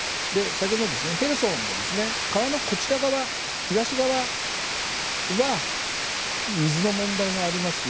先ほど、ヘルソンも川のこちら側、東側は水の問題もありますし